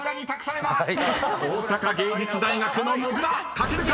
［大阪芸術大学のもぐら書けるか⁉］